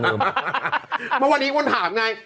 เพราะวันนี้มันถามไง